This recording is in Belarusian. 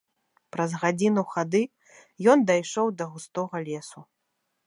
Праз гадзіну хады ён дайшоў да густога лесу.